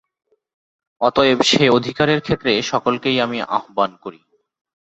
অতএব সে-অধিকারের ক্ষেত্রে সকলকেই আমি আহ্বান করি।